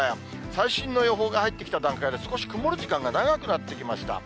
最新の予報が入ってきた段階で、少し曇る時間が長くなってきました。